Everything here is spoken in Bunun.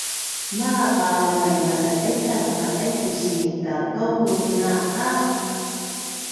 Maaq a maimadadaingaz madainpus i kakaunun a